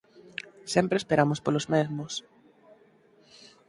Sempre esperamos polos mesmos.